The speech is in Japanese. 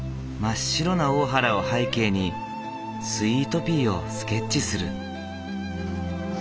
真っ白な大原を背景にスイートピーをスケッチする。